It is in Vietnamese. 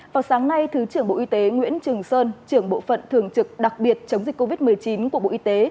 vào sáng nay thứ trưởng bộ y tế nguyễn trường sơn trưởng bộ phận thường trực đặc biệt chống dịch covid một mươi chín của bộ y tế